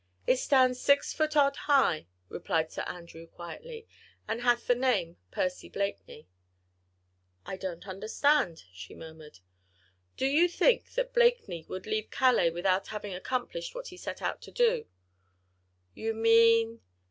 "It stands six foot odd high," replied Sir Andrew, quietly, "and hath name Percy Blakeney." "I don't understand," she murmured. "Do you think that Blakeney would leave Calais without having accomplished what he set out to do?" "You mean